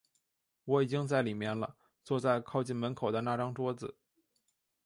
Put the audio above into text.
我已经在里面了，坐在靠近门口的那张桌子。